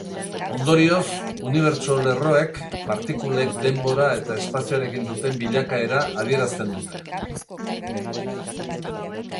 Ondorioz, unibertso-lerroek partikulek denbora eta espazioarekin duten bilakaera adierazten dute.